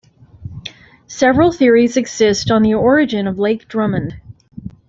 Several theories exist on the origin of Lake Drummond.